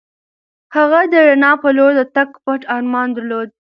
هغه د رڼا په لور د تګ پټ ارمان درلود.